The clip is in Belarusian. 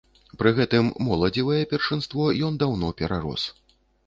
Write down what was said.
Пры гэтым моладзевае першынство ён даўно перарос.